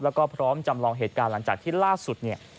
แล้วก็พร้อมจำลองเหตุการณ์หลังจากที่ล่าสุดเนี่ย